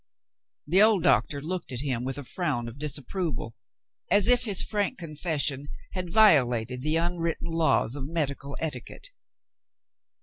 The old doctor looked at him with a frown of disapproval, as if his frank confession had violated the unwritten laws of medical etiquette.